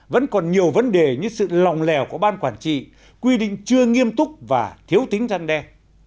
vẫn còn nhiều vấn đề như sự lòng lèo của ban quản trị quy định chưa nghiêm túc và thiếu tính gian đe